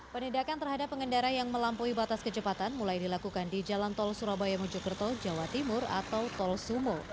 penindakan terhadap pengendara yang melampaui batas kecepatan mulai dilakukan di jalan tol surabaya mojokerto jawa timur atau tol sumo